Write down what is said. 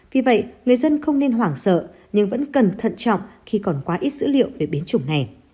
vì vậy người dân không nên hoảng sợ nhưng vẫn cần thận trọng khi còn quá ít dữ liệu về biến chủng này